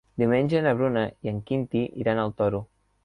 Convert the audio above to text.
Diumenge na Bruna i en Quintí iran al Toro.